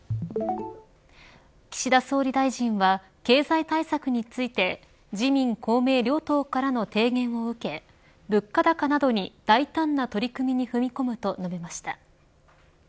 岸田総理大臣は経済対策について自民・公明両党からの提言を受け物価高などに大胆な取り組みに踏み込むと述べました。